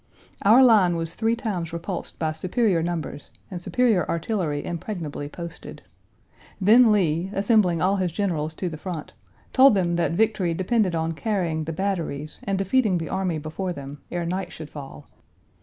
Our line was three times repulsed by superior numbers and superior artillery impregnably posted. Then Lee, assembling all his generals to the front, told them that victory depended on carrying the batteries and defeating the army before them, ere night should fall.